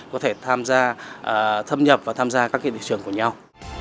có thể tham gia thâm nhập và tham gia các thị trường của nhau